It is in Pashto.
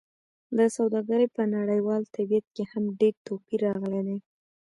د سوداګرۍ په نړیوال طبیعت کې هم ډېر توپیر راغلی دی.